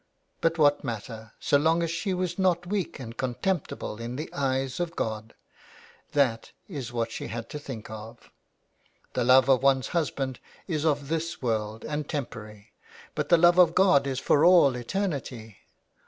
But what matter, so long as she was not weak and contemptible in the eyes of God. That is what she had to think of. The love of one's husband is of this world and temporary, but the love of God is for all eternity.